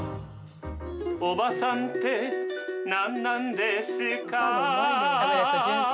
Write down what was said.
「おばさんってなんなんですか？」